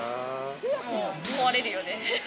もう壊れるよね。